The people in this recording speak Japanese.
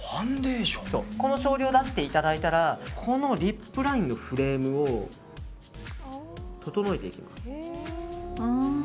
少量を出していただいたらこのリップラインのフレームを整えていきます。